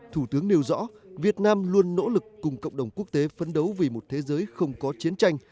thủ tướng nêu rõ việt nam luôn nỗ lực cùng cộng đồng quốc tế phấn đấu vì một thế giới không có chiến tranh